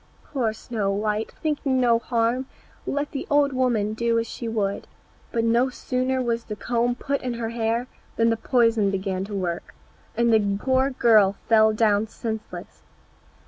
Poor Snow white, thinking no harm, let the old woman do as she would, but no sooner was the comb put in her hair than the poison began to work, and the poor girl fell down senseless.